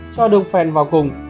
cho đường phèn vào cùng